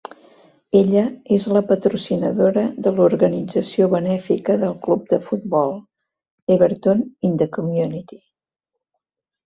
Ella és la patrocinadora de l'organització benèfica del club de futbol, Everton in the Community.